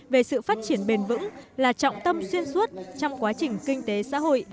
về sự phát triển bền vững là trọng tâm xuyên suốt trong quá trình kinh tế xã hội